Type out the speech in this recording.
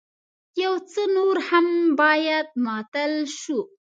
يو څه نور هم بايد ماتل شو.